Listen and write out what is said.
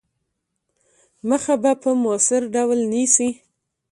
مخه به په موثِر ډول نیسي.